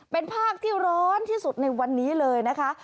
เป็นภาคที่ร้อนที่สุดในวันนี้เลยนะคะ